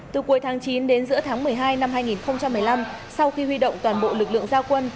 từ cuối tháng chín đến giữa tháng một mươi hai năm hai nghìn một mươi năm sau khi huy động toàn bộ lực lượng gia quân